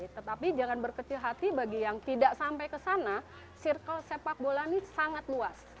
tetapi jangan berkecil hati bagi yang tidak sampai ke sana circle sepak bola ini sangat luas